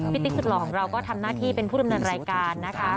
ติ๊กสุดหล่อของเราก็ทำหน้าที่เป็นผู้ดำเนินรายการนะคะ